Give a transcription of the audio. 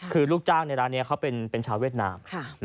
คือลูกจ้างในร้านนี้เขาเป็นชาวเวียดนาม